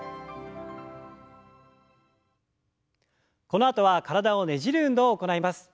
このあとは体をねじる運動を行います。